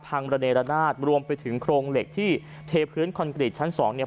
ระเนรนาศรวมไปถึงโครงเหล็กที่เทพื้นคอนกรีตชั้นสองเนี่ย